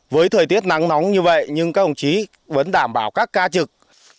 với thời tiết nắng nóng như vậy nhưng các ông chí vẫn đảm bảo các ca trực